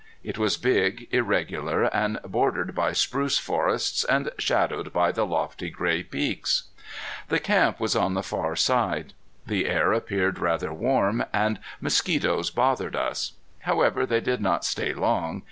It was big, irregular, and bordered by spruce forests, and shadowed by the lofty gray peaks. The Camp was on the far side. The air appeared rather warm, and mosquitoes bothered us. However, they did not stay long.